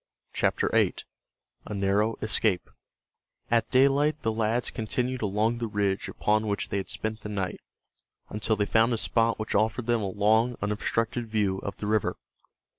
CHAPTER VIII—A NARROW ESCAPE At daylight the lads continued along the ridge upon which they had spent the night, until they found a spot which offered them a long, unobstructed view of the river.